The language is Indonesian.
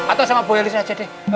atau sama bu elis aja deh